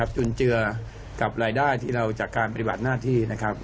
จุนเจือกับรายได้ที่เราจากการปฏิบัติหน้าที่นะครับ